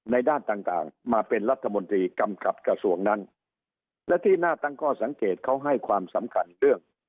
ด้านต่างต่างมาเป็นรัฐมนตรีกำกับกระทรวงนั้นและที่น่าตั้งข้อสังเกตเขาให้ความสำคัญเรื่อง